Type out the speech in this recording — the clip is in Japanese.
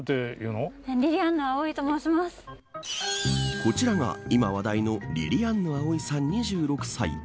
こちらが今話題のりりあんぬ葵さん、２６歳。